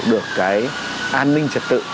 được cái an ninh trật tự